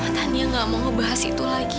ma tania gak mau ngebahas itu lagi